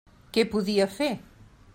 Què podia fer?